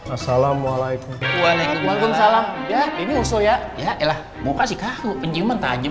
assalamualaikum waalaikumsalam ya ini uso ya ya elah muka sih kaku penjiman tajam